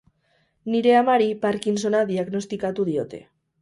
Nire amari Parkinsona diagnostikatu diote.